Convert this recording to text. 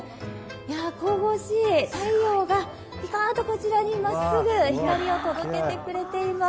神々しい、太陽がぴかっとこちらに真っすぐ光を届けてくれています。